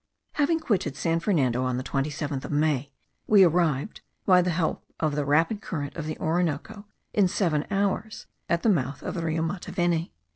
Having quitted San Fernando on the 27th of May, we arrived, by help of the rapid current of the Orinoco, in seven hours, at the mouth of the Rio Mataveni.